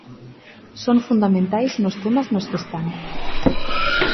Son fundamentais nos temas nos que están.